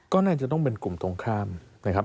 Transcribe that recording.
ก็น่าจะต้องเป็นกลุ่มตรงข้ามนะครับ